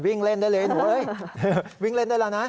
วิ่งเล่นได้เลยหนูเอ้ยวิ่งเล่นได้แล้วนะ